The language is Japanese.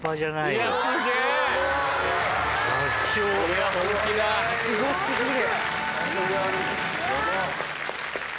すご過ぎる。